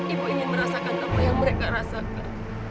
ibu ingin merasakan apa yang mereka rasakan